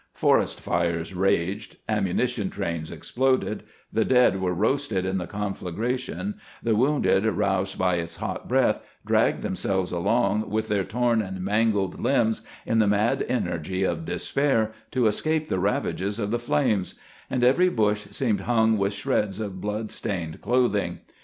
Forest fires raged; ammunition trains exploded; the dead were roasted in the confiagration ; the wounded, roused by its hot breath, dragged themselves along, with their torn and mangled limbs, in the mad energy of despair, to escape the ravages of the flames; and every bush seemed hung with shreds of blood stained clothing.